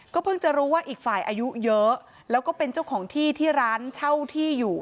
เพิ่งจะรู้ว่าอีกฝ่ายอายุเยอะแล้วก็เป็นเจ้าของที่ที่ร้านเช่าที่อยู่